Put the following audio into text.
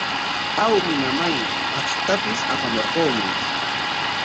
Awmi, mamay, akshutapis apamurquumi.